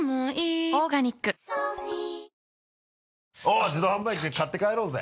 あっ自動販売機で買って帰ろうぜ。